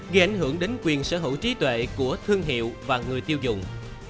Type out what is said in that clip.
gây ảnh hưởng đến quyền sở hữu trí tuệ của thương hiệu và người tiêu dùng